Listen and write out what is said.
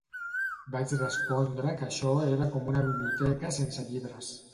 Vaig respondre que això era com una biblioteca sense llibres